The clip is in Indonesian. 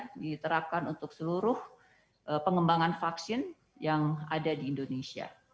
dan diterapkan untuk seluruh pengembangan vaksin yang ada di indonesia